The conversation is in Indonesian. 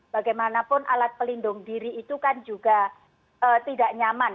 bagaimanapun alat pelindung diri itu kan juga tidak nyaman